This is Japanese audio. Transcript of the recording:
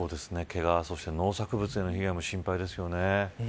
けがや農作物への被害も心配ですよね。